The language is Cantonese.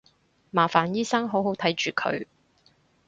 麻煩醫生好好睇住佢